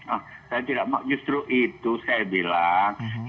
ah saya tidak mau justru itu saya bilang